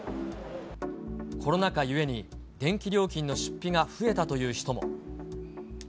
コロナ禍ゆえに、電気料金の出費が増えたという人も。